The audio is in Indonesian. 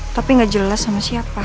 tapi gak jelas sama siapa